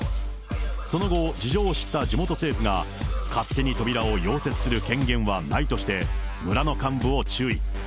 その後、事情を知った地元政府が、勝手に扉を溶接する権限はないとして、村の幹部を注意。